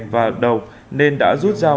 và đầu nên đã rút dao